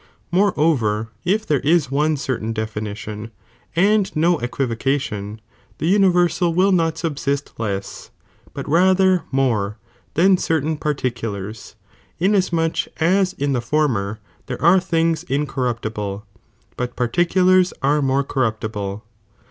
Moreover if there is one certain definition, and no equivocation, the universftl will not subsist less, but rathermore than certain par tieulars, inasmuch as in the former there are tilings incorrupt ible, but particulars are more corruptible.'